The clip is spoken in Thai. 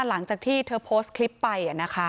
หลังจากที่เธอโพสต์คลิปไป